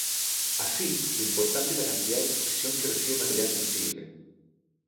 Así lo importante es la cantidad de exposición que recibe el material sensible.